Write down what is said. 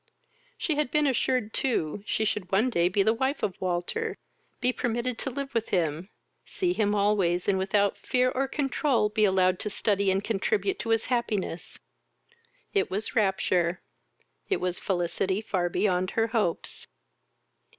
She had been assured too she should one day be the wife of Walter, be permitted to live with him, see him always, and without fear or controul be allowed to study and contribute to his happiness; it was rapture, it was felicity far beyond her hopes.